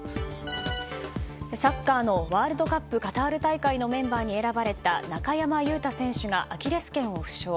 サッカーのワールドカップカタール大会のメンバーに選ばれた中山雄太選手がアキレス腱を負傷。